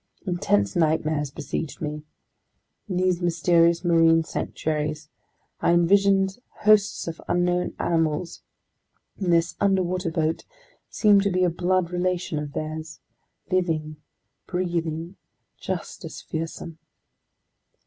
Intense nightmares besieged me. In these mysterious marine sanctuaries, I envisioned hosts of unknown animals, and this underwater boat seemed to be a blood relation of theirs: living, breathing, just as fearsome